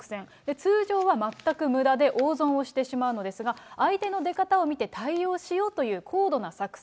通常は全くむだで大損をしてしまうんですが、相手の出方を見て、対応しようという高度な作戦。